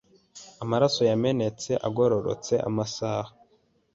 Amaraso yamenetse agororotse amasaha